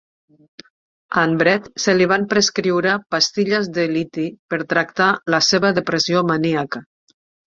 A en Brett se li van prescriure pastilles de liti per tractar la seva depressió maníaca.